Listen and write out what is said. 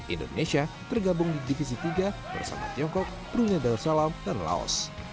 indonesia tergabung di divisi tiga bersama tiongkok brunei darussalam dan laos